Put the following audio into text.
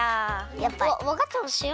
やっぱり！わわかってましたよ。